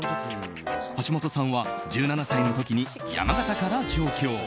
橋本さんは１７歳の時に山形から上京。